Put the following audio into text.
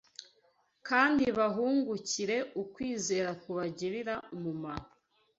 kandi bahungukire kwizera kubagirira umumaro